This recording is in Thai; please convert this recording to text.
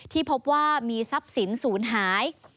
ที่พบว่ามีทรัพย์สินศูนย์หาย